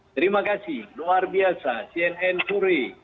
terima kasih luar biasa cnn puri